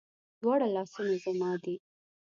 دواړه لاسونه زما دي